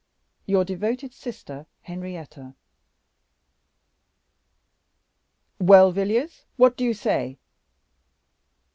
Your devoted sister, HENRIETTA." "Well, Villiers, what do you say?"